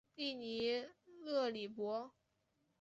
利尼勒里博。